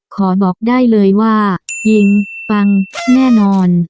ขอบอกได้เลยว่ายิงปังแน่นอน